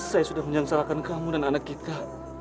saya sudah menyengsarakan kamu dan anak kita